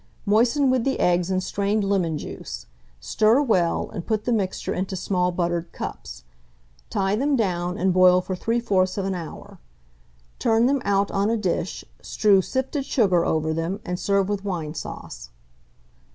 Moisten with the eggs and strained lemon juice; stir well, and put the mixture into small buttered cups. Tie them down and boil for 3/4 hour. Turn them out on a dish, strew sifted sugar over them, and serve with wine sauce.